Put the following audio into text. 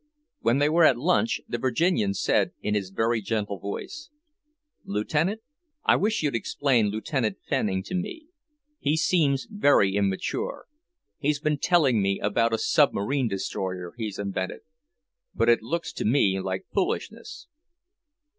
When they were at lunch, the Virginian said in his very gentle voice: "Lieutenant, I wish you'd explain Lieutenant Fanning to me. He seems very immature. He's been telling me about a submarine destroyer he's invented, but it looks to me like foolishness."